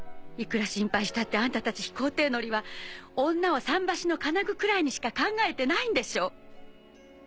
いくら心配したってあんたたち飛行艇乗りは女を桟橋の金具くらいにしか考えてないんでしょう！